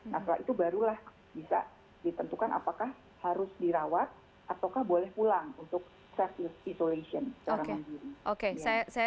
nah setelah itu barulah bisa ditentukan apakah harus dirawat ataukah boleh pulang untuk safe isolasi secara mandiri